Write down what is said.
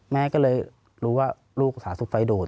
แม่ก็เลยรู้ว่าลูกสาธารณสุขไฟโดด